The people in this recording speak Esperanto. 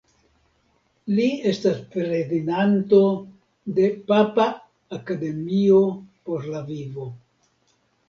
Li estas prezidanto de Papa Akademio por la vivo.